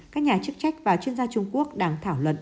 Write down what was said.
các nhà chức trách và chuyên gia trung quốc đang thảo luận